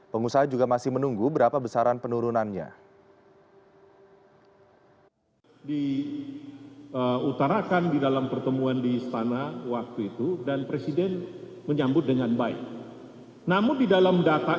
pengusaha juga masih menunggu berapa besaran penurunannya